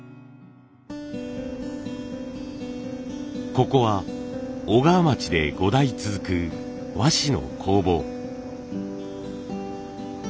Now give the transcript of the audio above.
ここは小川町で５代続く和紙の工房。